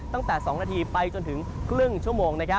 ตั้งแต่๒นาทีไปจนถึงครึ่งชั่วโมง